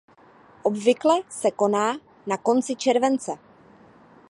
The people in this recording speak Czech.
Obvykle se koná na konci července.